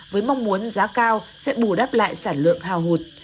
với mong muốn giá cao sẽ bù đắp lại sản lượng hào hụt